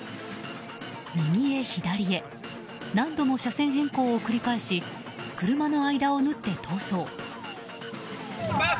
右へ左へ何度も車線変更を繰り返し車の間を縫って逃走。